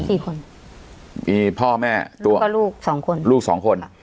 สี่คนมีพ่อแม่ตัวก็ลูกสองคนลูกสองคน